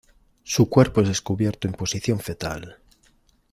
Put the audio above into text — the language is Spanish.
Su cuerpo es descubierto en posición fetal.